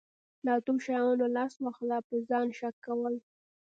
له اتو شیانو لاس واخله په ځان شک کول.